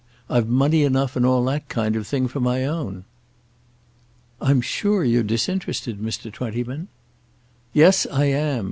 I've money enough and all that kind of thing of my own." "I'm sure you're disinterested, Mr. Twentyman." "Yes, I am.